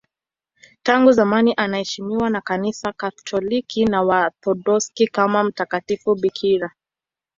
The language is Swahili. Tangu zamani anaheshimiwa na Kanisa Katoliki na Waorthodoksi kama mtakatifu bikira.